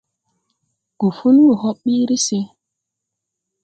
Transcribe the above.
Gufungu hɔɓ ɓiiri se.